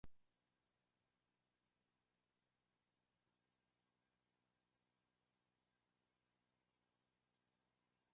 Isidoro Ibarra se formó en las categorías inferiores del Club San Fernando.